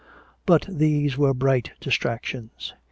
But these were bright distractions.